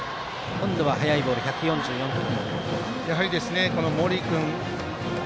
今度は速いボール１４４キロ。